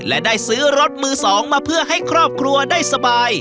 และได้ซื้อรถมือ๒มาเพื่อให้ครอบครัวได้สบาย